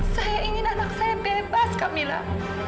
saya ingin anak saya bebas camilan